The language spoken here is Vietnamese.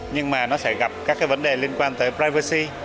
nhưng mà nó sẽ gặp các cái vấn đề liên quan tới privacy